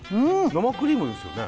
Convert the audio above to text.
生クリームですよね？